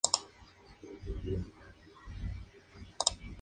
Se jugaban seis productos.